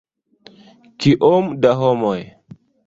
Kiom da homoj!